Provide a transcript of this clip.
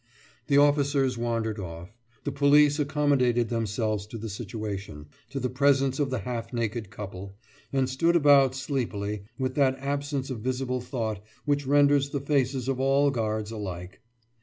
The officers wandered off; the police accommodated themselves to the situation, to the presence of the half naked couple, and stood about sleepily, with that absence of visible thought which renders the faces of all guards alike.